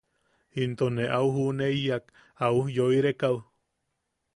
Into ne a ju’uneiyak a ujyoireaka’u.